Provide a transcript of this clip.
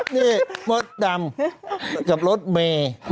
นี่รถดำกับรถเม